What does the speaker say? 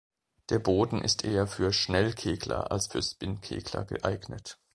Der Boden ist eher für Schnell-Kegler als für Spin-Kegler geeignet.